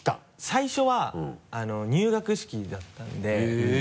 最初は入学式だったんでへぇ。